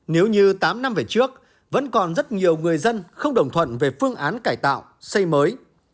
nếu như tám năm về trước vẫn còn rất nhiều người dân không đồng thuận về phương án cải tạo xây mới